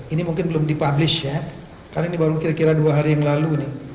ini mungkin belum dipublish ya karena ini baru kira kira dua hari yang lalu nih